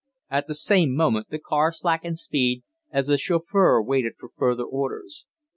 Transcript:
At the same moment the car slackened speed, as the chauffeur waited for further orders.